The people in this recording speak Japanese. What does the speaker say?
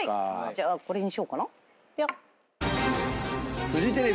じゃあこれにしようかな。